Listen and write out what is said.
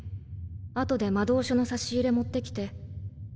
後で魔導書の差し入れ持ってきて。